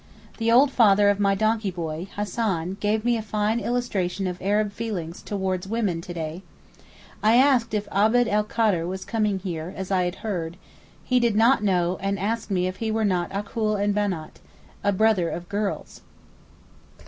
The old father of my donkey boy, Hassan, gave me a fine illustration of Arab feeling towards women to day. I asked if Abd el Kader was coming here, as I had heard; he did not know, and asked me if he were not Achul en Benàt, a brother of girls.